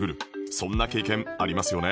そんな経験ありますよね？